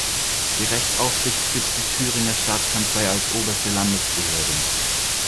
Die Rechtsaufsicht führt die Thüringer Staatskanzlei als oberste Landesbehörde.